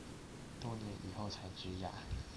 多年以後才植牙